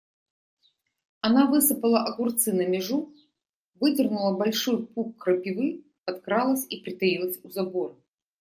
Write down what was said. Она высыпала огурцы на межу, выдернула большой пук крапивы, подкралась и притаилась у забора.